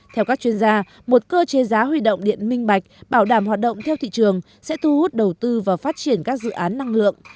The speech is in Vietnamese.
theo các chuyên gia một cơ chế giá huy động điện minh bạch bảo đảm hoạt động theo thị trường sẽ thu hút đầu tư và phát triển các dự án năng lượng